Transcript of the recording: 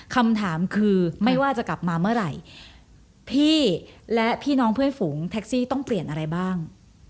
คำถามคือไม่ว่าจะกลับมาเมื่อไหร่พี่และพี่น้องเพื่อนฝูงแท็กซี่ต้องเปลี่ยนอะไรบ้าง